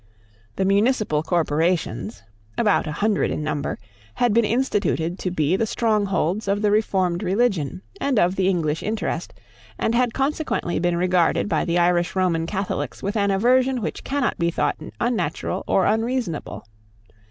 The municipal corporations, about a hundred in number, had been instituted to be the strongholds of the reformed religion and of the English interest, and had consequently been regarded by the Irish Roman Catholics with an aversion which cannot be thought unnatural or unreasonable.